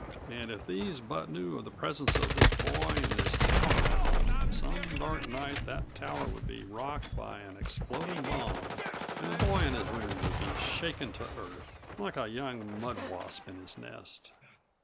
And if these but knew of the presence of this boy in his tower room, some dark night that tower would be rocked by an exploding bomb and the boy in his room would be shaken to earth like a young mud wasp in his nest.